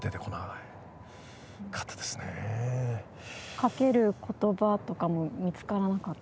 かける言葉とかも見つからなかった？